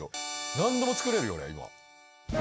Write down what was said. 何でも作れるよ俺今。